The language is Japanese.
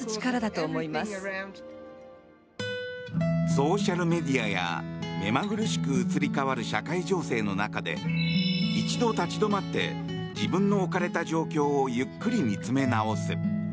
ソーシャルメディアや目まぐるしく移り変わる社会情勢の中で一度立ち止まって自分の置かれた状況をゆっくり見つめ直す。